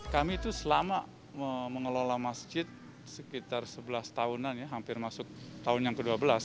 kami itu selama mengelola masjid sekitar sebelas tahunan ya hampir masuk tahun yang ke dua belas